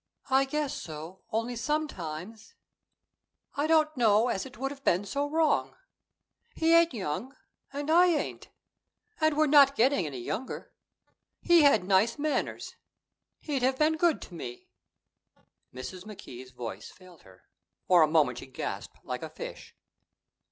"I guess so. Only sometimes " "I don't know as it would have been so wrong. He ain't young, and I ain't. And we're not getting any younger. He had nice manners; he'd have been good to me." Mrs. McKee's voice failed her. For a moment she gasped like a fish.